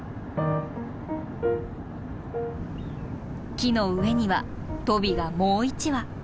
木の上にはトビがもう一羽。